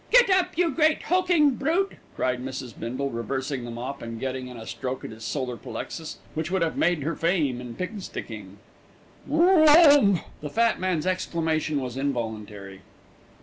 "Get up! You great, hulkin' brute," cried Mrs. Bindle, reversing the mop and getting in a stroke at his solar plexus which would have made her fame in pig sticking. "Grrrrumph!" The fat man's exclamation was involuntary.